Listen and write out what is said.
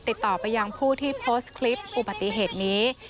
ติดต่อไปยังผู้ที่โพสต์คลิปอุบัติเหตุนี้